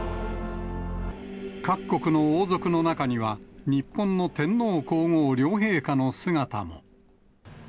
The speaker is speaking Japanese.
各国の王族の中には、日本の天皇皇后両陛下の姿も。